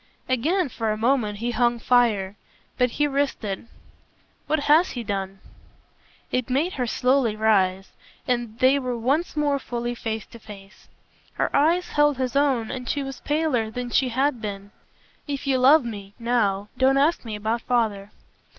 Again for a moment he hung fire, but he risked it. "What HAS he done?" It made her slowly rise, and they were once more fully face to face. Her eyes held his own and she was paler than she had been. "If you love me now don't ask me about father."